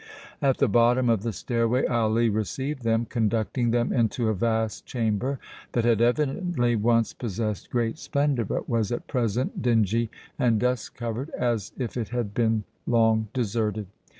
At the bottom of the stairway Ali received them, conducting them into a vast chamber that had evidently once possessed great splendor, but was at present dingy and dust covered as if it had been long deserted.